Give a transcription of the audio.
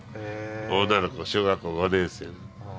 女の子小学校５年生の。